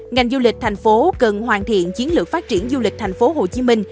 ngành du lịch thành phố cần hoàn thiện chiến lược phát triển du lịch thành phố hồ chí minh